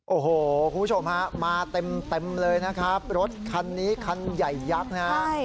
โอ้โหคุณผู้ชมฮะมาเต็มเลยนะครับรถคันนี้คันใหญ่ยักษ์นะฮะ